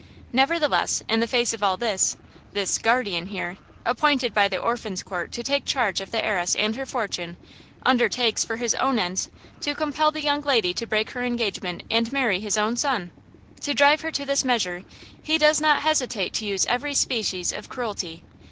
Nevertheless, in the face of all this, this 'guardian' here, appointed by the Orphans' Court to take charge of the heiress and her fortune, undertakes, for his own ends, to compel the young lady to break her engagement and marry his own son! To drive her to this measure, he does not hesitate to use every species of cruelty.